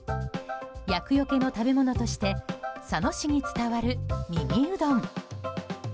厄除けの食べ物として佐野市に伝わる耳うどん。